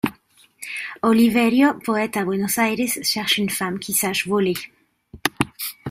Oliverio, poète à Buenos Aires, cherche une femme qui sache voler.